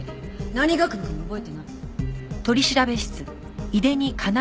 何学部かも覚えてない。